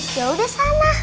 jauh dari sana